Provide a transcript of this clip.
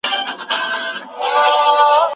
استازي تل له ولسمشر سره اړيکي ساتي.